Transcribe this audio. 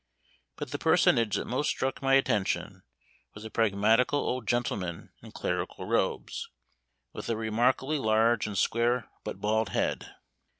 But the personage that most struck my attention was a pragmatical old gentleman in clerical robes, with a remarkably large and square but bald head.